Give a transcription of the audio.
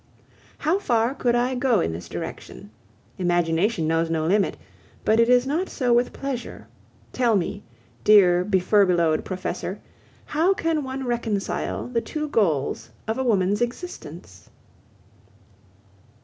How far could I go in this direction? Imagination knows no limit, but it is not so with pleasure. Tell me, dear be furbelowed professor, how can one reconcile the two goals of a woman's existence?